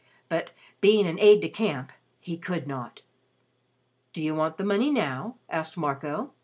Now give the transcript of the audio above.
But being an aide de camp he could not. "Do you want the money now?" asked Marco.